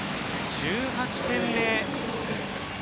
１８点目。